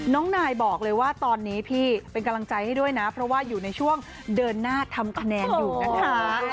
น้องนายบอกเลยว่าตอนนี้พี่เป็นกำลังใจให้ด้วยนะเพราะว่าอยู่ในช่วงเดินหน้าทำคะแนนอยู่นะคะ